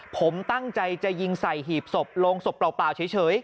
ผมตั้งใจจะยิงใส่หีบศพโรงศพเปล่าเฉย